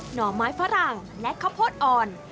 ห่อไม้ฝรั่งและข้าวโพดอ่อน